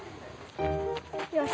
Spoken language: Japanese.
よし。